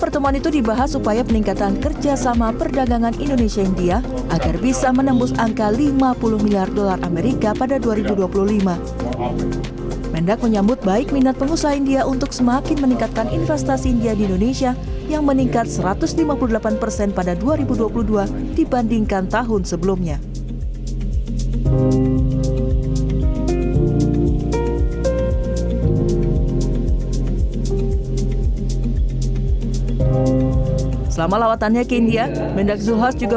pertemuan antara menteri perdagangan zulkifli hasan dan menteri perdagangan dan industri india piyush goyal dilakukan di kota new delhi india pada selasa